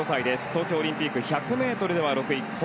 東京オリンピック１００ｍでは６位。